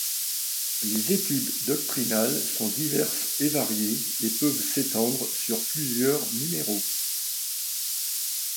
Les études doctrinales sont diverses et variées et peuvent s'étendre sur plusieurs numéros.